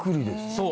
そう。